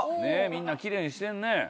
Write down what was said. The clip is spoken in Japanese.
みんなきれいにしてるね。